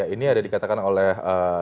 ini ada dikatakan oleh